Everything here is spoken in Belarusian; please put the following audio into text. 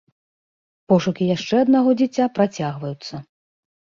Пошукі яшчэ аднаго дзіця працягваюцца.